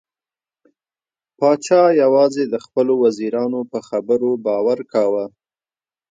پاچا یوازې د خپلو وزیرانو په خبرو باور کاوه.